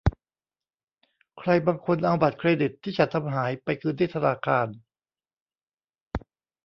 ใครบางคนเอาบัตรเครดิตที่ฉันทำหายไปคืนที่ธนาคาร